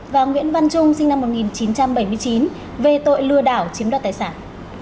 và nguyễn văn trung sinh năm một nghìn chín trăm bảy mươi chín về tội lừa đảo chiếm đoạt tài sản